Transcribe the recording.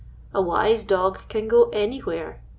"A wise dog can go anywhere.